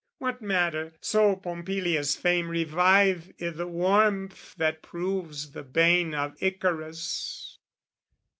What matter, so Pompilia's fame revive I' the warmth that proves the bane of Icarus?